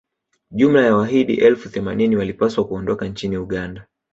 jumla ya wahidi elfu themanini walipaswa kuondoka nchini uganda